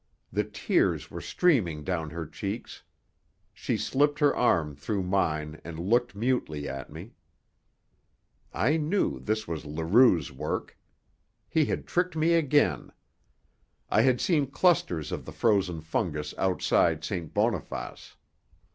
The tears were streaming down her cheeks; she slipped her arm through mine and looked mutely at me. I knew this was Leroux's work. He had tricked me again. I had seen clusters of the frozen fungus outside St. Boniface.